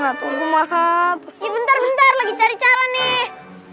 enggak tunggu tunggu mahal bentar bentar lagi cari cara nih